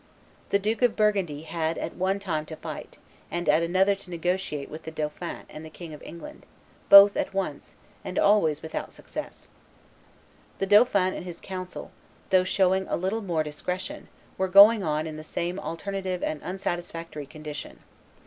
The Duke of Burgundy had at one time to fight, and at another to negotiate with the dauphin and the King of England, both at once, and always without success. The dauphin and his council, though showing a little more discretion, were going on in the same alternative and unsatisfactory condition.